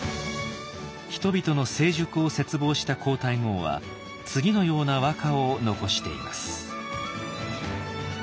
人々の成熟を切望した皇太后は次のような和歌を残しています。